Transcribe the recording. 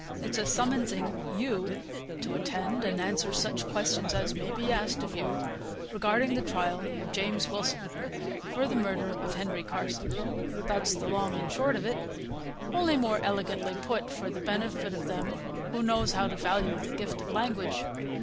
It's a summonsing you to attend, and answer such questions as may be asked of you regarding the trial of James Wilson, for the murder of Henry Carson; that's the long and short of it, only more elegantly put, for the benefit of them who knows how to value the gift of language.